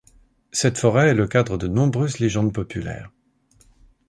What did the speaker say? Cette forêt est le cadre de nombreuses légendes populaires.